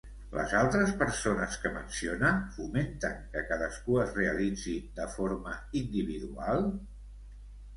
Les altres persones que menciona fomenten que cadascú es realitzi de forma individual?